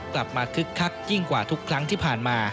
คึกคักยิ่งกว่าทุกครั้งที่ผ่านมา